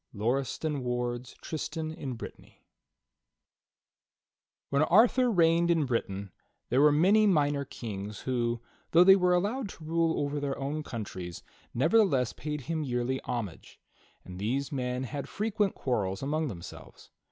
'" Lauriston Ward's "Tristan in Brittany," Arthur reigned in Britain there were many minor kings who, though they were allowed to rule over their own coun tries, nevertheless paid him yearly homage, and these men had frequent quarrels among themselves.